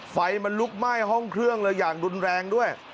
ไฟมันลุกไหม้ห้องเครื่องเลยอย่างรุนแรงด้วย